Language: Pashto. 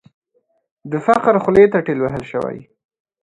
د فقر خولې ته ټېل وهل شوې.